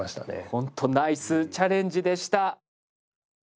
ほんとナイスチャレンジでした。